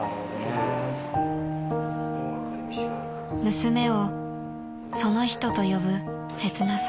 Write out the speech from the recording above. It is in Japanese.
［娘をその人と呼ぶ切なさ］